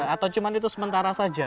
atau cuma itu sementara saja